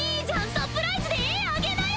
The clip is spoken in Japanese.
サプライズで絵あげなよ。